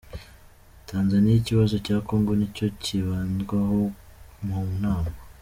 Tanzaniya Ikibazo cya kongo nicyo kibandwaho mu nama